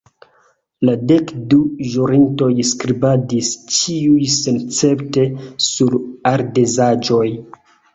La dekdu ĵurintoj skribadis, ĉiuj senescepte, sur ardezaĵoj.